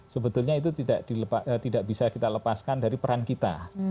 sebetulnya itu tidak bisa kita lepaskan dari peran kita